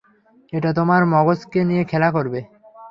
এটা তোমার মগজকে নিয়ে খেলা করবে!